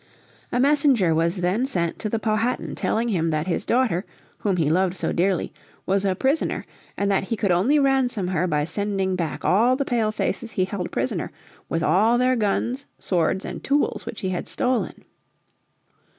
A messenger was then sent to the Powhatan telling him that his daughter, whom he loved so dearly, was a prisoner, and that he could only ransom her by sending back all the Pale faces he held prisoner, with all their guns, swords and tools which he had stolen.